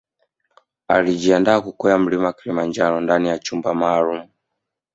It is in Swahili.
Alijiandaa kukwea Mlima Kilimanjaro ndani ya chumba maalum